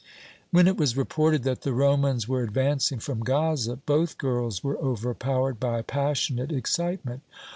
"When it was reported that the Romans were advancing from Gaza, both girls were overpowered by passionate excitement.